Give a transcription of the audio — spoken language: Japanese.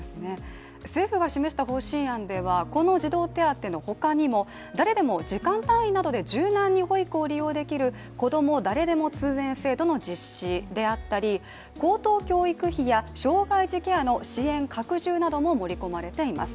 政府が示した方針案では、この児童手当の他にも誰でも時間単位などで柔軟に保育を利用できるこども誰でも通園制度の実施であったり高等教育費や障害児ケアの支援拡充なども盛り込まれています。